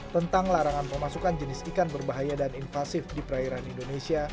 tentang larangan pemasukan jenis ikan berbahaya dan invasif di perairan indonesia